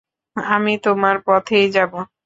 আমি তোমার পথেই যাবো।